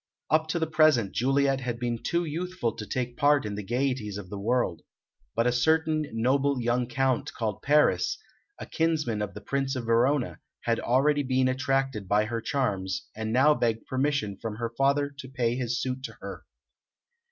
Up to the present Juliet had been too youthful to take part in the gaieties of the world, but a certain noble young Count called Paris, a kinsman of the Prince of Verona, had already been attracted by her charms, and now begged permission from her father to pay his suit to her.